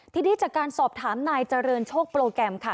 ทีนี้จากการสอบถามนายเจริญโชคโปรแกรมค่ะ